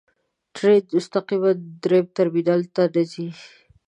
ټرین مستقیماً درېیم ټرمینل ته نه ځي.